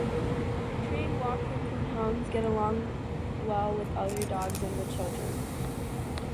Treeing Walker Coonhounds get along well with other dogs and with children.